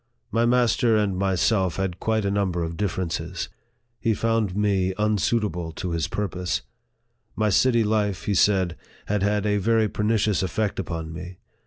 My master and myself had quite a number of differ ences. He found me unsuitable to his purpose. My city life, he said, had had a very pernicious effect upon me.